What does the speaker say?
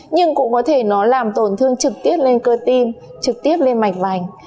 nhưng cũng có thể nó làm tổn thương trực tiếp lên cơ tim trực tiếp lên mạch vành